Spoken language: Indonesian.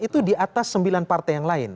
itu di atas sembilan partai yang lain